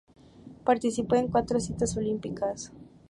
Participó en cuatro citas olímpicas.